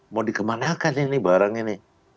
mau dikemanakan ini barang ini